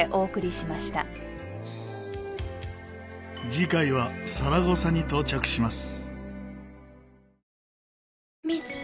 次回はサラゴサに到着します。